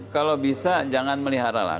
kalau bisa jangan melihara lah